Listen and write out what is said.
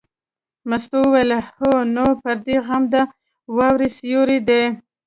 مستو وویل: هو نو پردی غم د واورې سیوری دی.